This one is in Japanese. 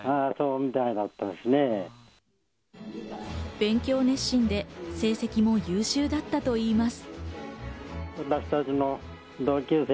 勉強熱心で成績も優秀だったといいます。